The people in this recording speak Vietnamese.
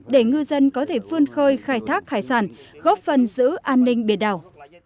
để ngư dân có thể phương khôi khai thác hải sản góp phần giữ an ninh biển đảo